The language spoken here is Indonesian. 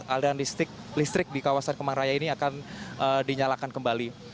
aliran listrik di kawasan kemang raya ini akan dinyalakan kembali